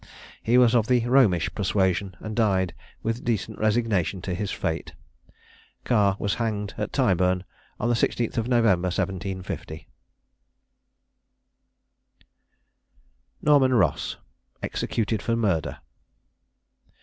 He was of the Romish persuasion, and died with decent resignation to his fate. Carr was hanged at Tyburn on the 16th of November 1750. NORMAN ROSS. EXECUTED FOR MURDER.